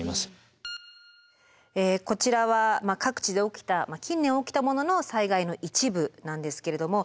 こちらは各地で起きた近年起きたものの災害の一部なんですけれども。